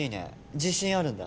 自信あるんだ？